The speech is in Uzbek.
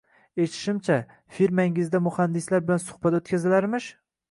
Eshitishimcha, firmangizda muhandislar bilan suhbat o'tkazilarmish